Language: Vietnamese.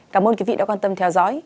cảm ơn quý vị đã quan tâm theo dõi